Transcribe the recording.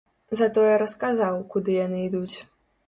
Затое расказаў, куды яны ідуць.